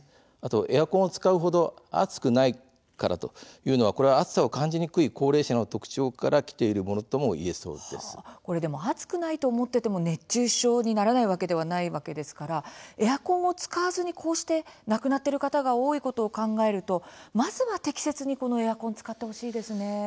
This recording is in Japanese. エアコンを使う程暑くないというのは暑さを感じにくい高齢者の特徴からきていることとも暑くないと思っても熱中症にならないわけではないですからエアコンを使わずにこうして亡くなっている方が多いことを考えるとまずは適切にエアコンを使ってほしいですね。